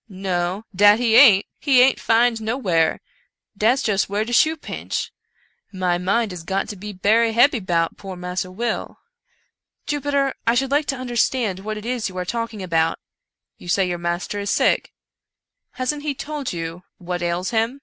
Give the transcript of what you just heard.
" "No, dat he aint! — he aint 'fin'd nowhar — dat's just whar de shoe pinch — my mind is got to be berry hebby 'bout poor Massa Will." " Jupiter, I should like to understand what it is you are talking about. You say your master is sick. Hasn't he told you what ails him